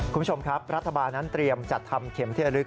คุณผู้ชมครับรัฐบาลนั้นเตรียมจัดทำเข็มที่ระลึก